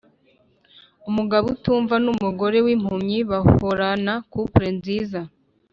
umugabo utumva numugore wimpumyi bahorana couple nziza